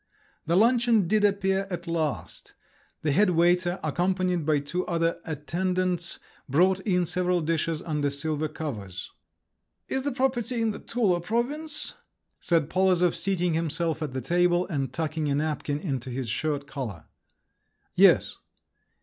The luncheon did appear at last. The head waiter, accompanied by two other attendants, brought in several dishes under silver covers. "Is the property in the Tula province?" said Polozov, seating himself at the table, and tucking a napkin into his shirt collar. "Yes."